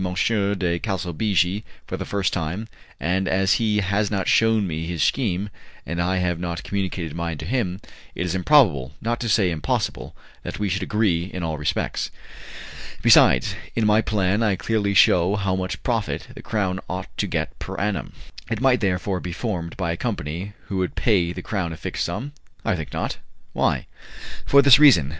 de Calsabigi for the first time, and as he has not shewn me his scheme, and I have not communicated mine to him, it is improbable, not to say impossible, that we should agree in all respects. Besides, in my plan I clearly shew how much profit the Crown ought to get per annum." "It might, therefore, be formed by a company who would pay the Crown a fixed sum?" "I think not." "Why?" "For this reason.